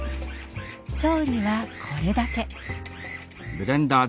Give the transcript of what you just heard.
調理はこれだけ。